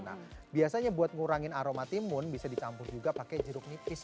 nah biasanya buat ngurangin aroma timun bisa dicampur juga pakai jeruk nipis